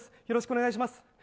よろしくお願いします。